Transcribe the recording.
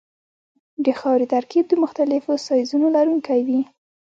د خاورې ترکیب د مختلفو سایزونو لرونکی وي